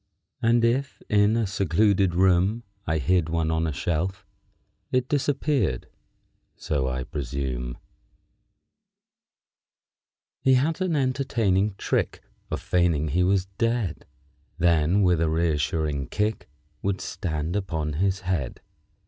_ And if, in a secluded room, I hid one on a shelf, It disappeared; so I presume He used to help himself. _He had an entertaining trick Of feigning he was dead; Then, with a reassuring kick, Would stand upon his head.